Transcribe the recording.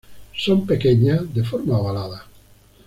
Son pequeñas, de forma ovalada.